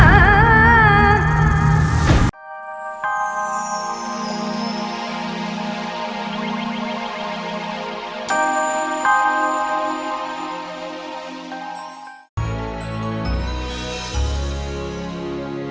sepertinya disini aman